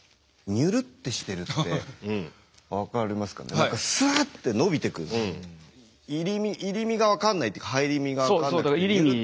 何かスッて入り身が分かんないっていうか入り身が分かんなくてニュルっと。